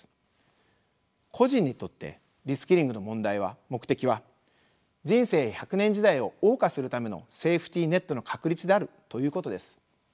個人にとってリスキリングの目的は人生１００年時代をおう歌するためのセーフティーネットの確立であるということです。